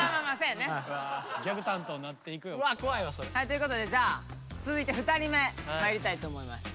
ということでじゃあ続いて２人目まいりたいと思います。